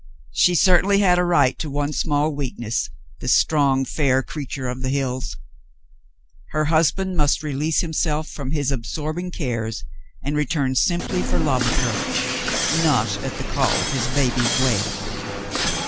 She cer tainly had a right to one small weakness, this strong fair creature of the hills. Her husband must release himself from his absorbing cares and return simply for love of her — not at the call of his baby's wail.